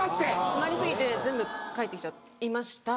詰まり過ぎて全部返ってきちゃいました